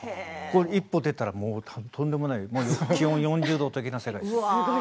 一歩出たらとんでもない気温が４０度的な世界ですよ。